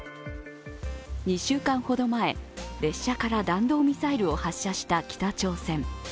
２週間ほど前、列車から弾道ミサイルを発車した北朝鮮。